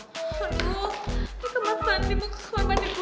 aduh ini kemat mandi mau ke kamar mandi gue